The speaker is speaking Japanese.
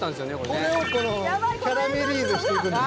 これをキャラメリーゼしていくんですよ